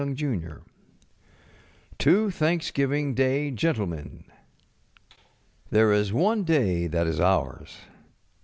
ŌĆØ TWO THANKSGIVING DAY GENTLEMEN There is one day that is ours.